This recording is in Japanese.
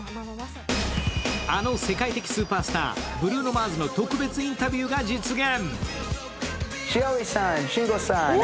あの世界的スーパースターブルーノ・マーズの特別インタビューが実現。